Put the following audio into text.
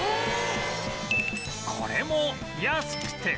これも安くて